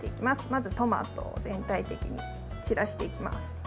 まずトマトを全体的に散らしていきます。